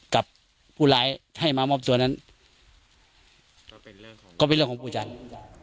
ก็เป็นเรื่องของปู่จรรยะ